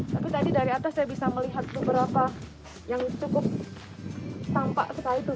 tapi tadi dari atas saya bisa melihat beberapa yang cukup tampak sekali itu